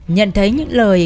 nhận thấy những lời